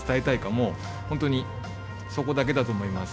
もう本当にそこだけだと思います。